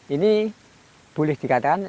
ini boleh dikatakan